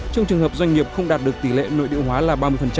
trong trường hợp doanh nghiệp không đạt được tỷ lệ nội địa hóa là ba mươi